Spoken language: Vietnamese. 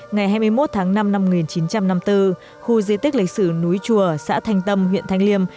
ngày hai mươi một tháng năm năm một nghìn chín trăm năm mươi bốn khu di tích lịch sử núi chùa xã thanh tâm huyện thanh liêm